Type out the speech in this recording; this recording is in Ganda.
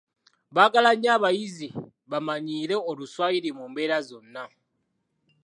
Baagala nnyo abayizi bamanyiire Oluswayiri mu mbeera zonna.